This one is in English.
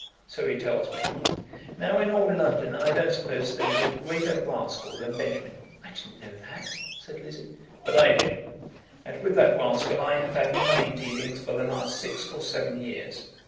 "So he tells me. Now, in all London, I don't suppose there is a greater rascal than Benjamin." "I didn't know that," said Lizzie. "But I did; and with that rascal I have had money dealings for the last six or seven years.